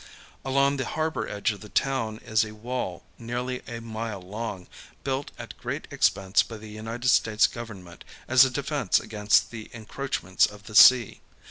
Along the harbor edge of the town is a wall nearly a mile long, built at great expense by the United States Government as a defense against the encroachments of the sea.